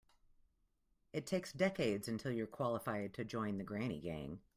It takes decades until you're qualified to join the granny gang.